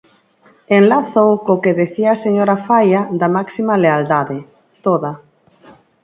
Enlázoo co que dicía a señora Faia da máxima lealdade: toda.